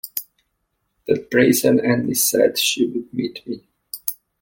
That brazen Annie said she’d meet me.